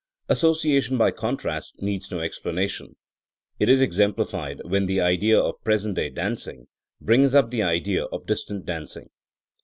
As sociation by contrast needs no explanation* It is exemplified when the idea of present day dancing brings up the idea of distant danc ing.